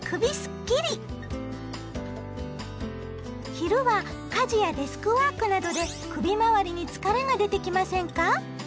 昼は家事やデスクワークなどで首まわりに疲れが出てきませんか？